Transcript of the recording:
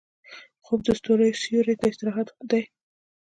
خوب د ستوريو سیوري ته استراحت دی